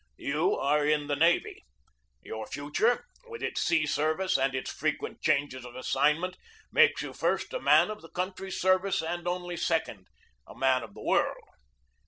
You are in the navy; your future, with its sea service and its frequent changes of assignment, makes you first a man of the country's service and only secondly a man of the world.